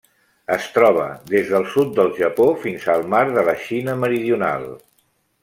Es troba des del sud del Japó fins al Mar de la Xina Meridional.